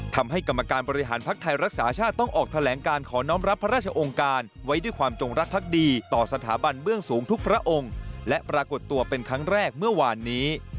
ทำให้กรรมการบริหารภักดิ์ไทยรักษาชาติต้องออกแถลงการขอน้องรับพระราชองค์การไว้ด้วยความจงรักภักดีต่อสถาบันเบื้องสูงทุกพระองค์และปรากฏตัวเป็นครั้งแรกเมื่อวานนี้